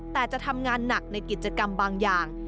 แต่จะทำงานหนักในกิจกรรมบางอย่าง